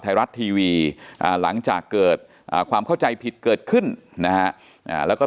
ไทยรัฐทีวีหลังจากเกิดความเข้าใจผิดเกิดขึ้นนะฮะแล้วก็